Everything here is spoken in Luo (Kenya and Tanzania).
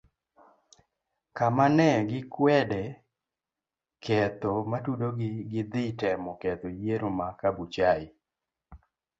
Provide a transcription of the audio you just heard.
Kamane gikwede ketho matudogi gi dhi temo ketho yiero ma kabuchai.